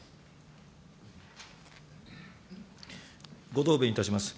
ご答弁いたします。